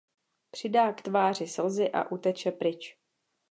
Přidá k tváři slzy a uteče pryč.